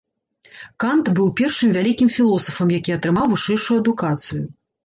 Кант быў першым вялікім філосафам які атрымаў вышэйшую адукацыю.